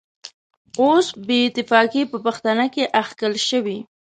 اوس بې اتفاقي په پښتانه کې اخښل شوې.